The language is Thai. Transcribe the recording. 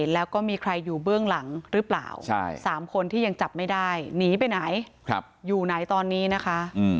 แล้วก็มีใครอยู่เบื้องหลังหรือเปล่า๓คนที่ยังจับไม่ได้หนีไปไหนอยู่ไหนตอนนี้นะคะ